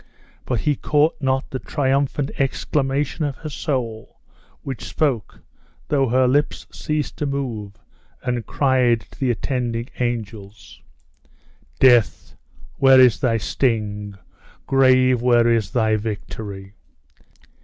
But he caught not the triumphant exclamation of her soul, which spoke, though her lips ceased to move, and cried to the attending angels: "Death, where is thy sting? Grave, where is thy victory?"